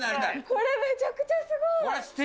これ、めちゃくちゃすごい。